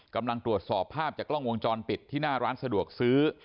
กำลังตรวจสอบภาพจากกล้องวงจรปิดที่หน้าร้านสะดวกซื้อ